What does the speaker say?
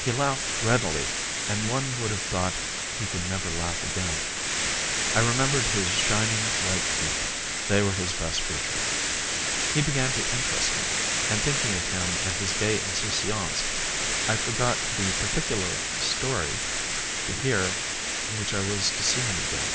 He laughed readily, and one would have thought he could never laugh again. I remembered his shining, white teeth; they were his best feature. He began to interest me, and thinking of him and of his gay insouciance I forgot the particular story, to hear which I was to see him again.